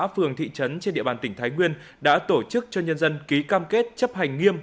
phường thị trấn trên địa bàn tỉnh thái nguyên đã tổ chức cho nhân dân ký cam kết chấp hành nghiêm